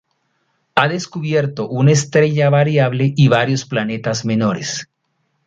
Ha descubierto una estrella variable y varios planetas menores.